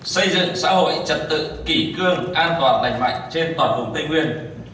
xây dựng xã hội trật tự kỷ cương an toàn đành mạch trên toàn vùng tây nguyên